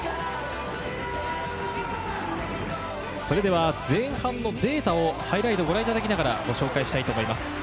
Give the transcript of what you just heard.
それでは前半のデータをハイライトをご覧いただきながら、ご紹介したいと思います。